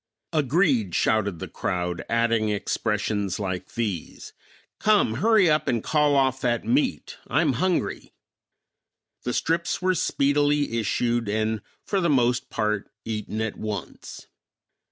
"Agreed," shouted the crowd, adding expressions like these, "Come, hurry up and call off that meat; I'm hungry." The strips were speedily issued, and, for the most part, eaten at once.